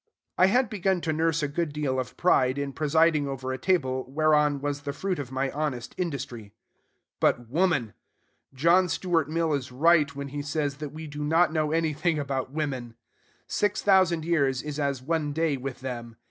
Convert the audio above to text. I had begun to nurse a good deal of pride in presiding over a table whereon was the fruit of my honest industry. But woman! John Stuart Mill is right when he says that we do not know anything about women. Six thousand years is as one day with them.